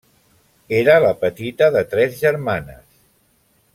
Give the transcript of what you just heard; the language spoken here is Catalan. Era la petita de tres germanes.